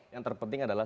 yang terpenting adalah